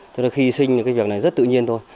thế nên khi sinh cái việc này rất tự nhiên thôi